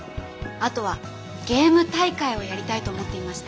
あとはゲーム大会をやりたいと思っていまして。